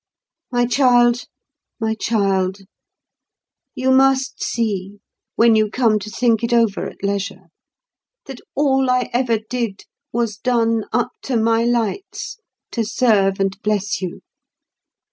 "My child, my child, you must see, when you come to think it over at leisure, that all I ever did was done, up to my lights, to serve and bless you.